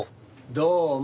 どうも。